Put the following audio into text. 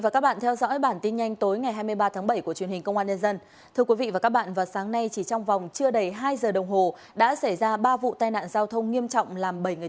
cảm ơn các bạn đã theo dõi